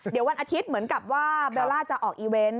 เดี๋ยววันอาทิตย์เหมือนกับว่าเบลล่าจะออกอีเวนต์